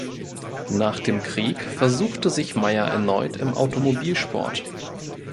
Nach dem Krieg versuchte sich Meier erneut im Automobilsport.